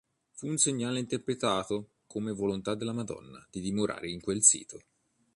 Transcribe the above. Fu un segnale interpretato come volontà della Madonna di dimorare in quel sito.